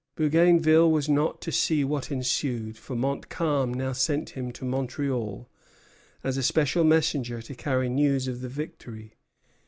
Bougainville was not to see what ensued; for Montcalm now sent him to Montreal, as a special messenger to carry news of the victory.